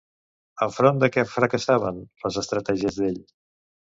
Enfront de què fracassaven les estratègies d'ell?